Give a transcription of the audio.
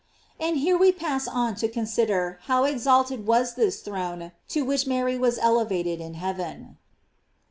And here we pass on to the consideration of how exalted was this throne to which Mary was elevated in heaven.